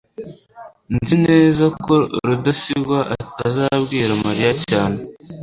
nzi neza ko rudasingwa atazabwira mariya cyane